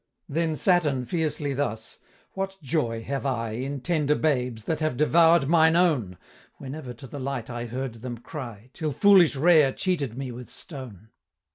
Then Saturn fiercely thus: "What joy have I In tender babes, that have devour'd mine own, Whenever to the light I heard them cry, Till foolish Rhea cheated me with stone?